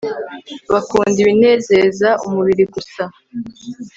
bakunda ibinezeza umubiri gusa